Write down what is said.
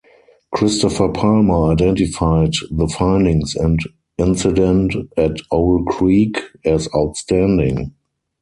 Christopher Palmer identified "The Findings" and "Incident at Owl Creek" as "outstanding".